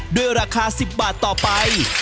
ด้วยราคา๑๐บาทต่อไป